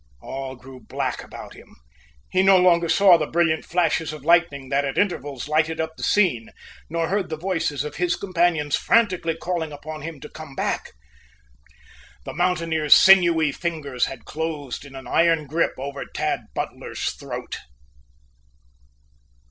All grew black about him. He no longer saw the brilliant flashes of lightning that at intervals lighted up the scene, nor heard the voices of his companions frantically calling upon him to come back. The mountaineer's sinewy fingers had closed in an iron grip over Tad Butler's throat.